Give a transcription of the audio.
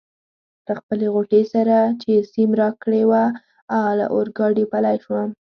له خپلې غوټې سره چي سیم راکړې وه له اورګاډي پلی شوم.